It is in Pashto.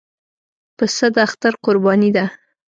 پسه د اختر قرباني ده.